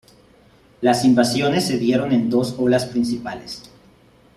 Las invasiones se dieron en dos olas principales.